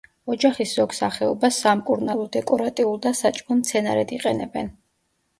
ოჯახის ზოგ სახეობას სამკურნალო, დეკორატიულ და საჭმელ მცენარედ იყენებენ.